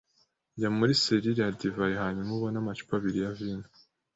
Jya muri selire ya divayi hanyuma ubone amacupa abiri ya vino.